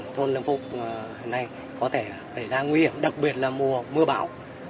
thôn lương phúc này có thể đẩy ra nguy hiểm đặc biệt là mùa bão